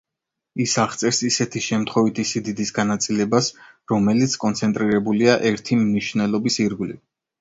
ის აღწერს ისეთი შემთხვევითი სიდიდის განაწილებას, რომელიც კონცენტრირებულია ერთი მნიშვნელობის ირგვლივ.